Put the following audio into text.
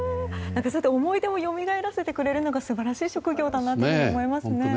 思い出をよみがえらせてくれるのが素晴らしい職業だなと思います。